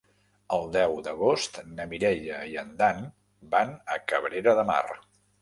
El deu d'agost na Mireia i en Dan van a Cabrera de Mar.